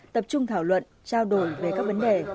tập trung thảo luận trao đổi về các vấn đề